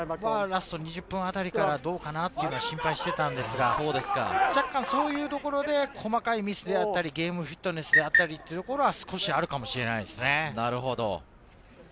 ラスト２０分あたりからどうかなっていうのが心配してたんですが、若干、そういうところで細かいミスであったりゲームフィットネスであったり、というのがあるかもしれないですね。